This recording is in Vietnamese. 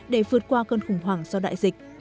để vượt qua cơn khủng hoảng do đại dịch